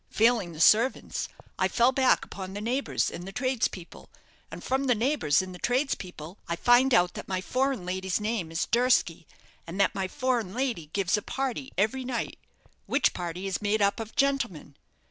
Failing the servants, I fell back upon the neighbours and the tradespeople; and from the neighbours and the tradespeople I find out that my foreign lady's name is Durski, and that my foreign lady gives a party every night, which party is made up of gentlemen.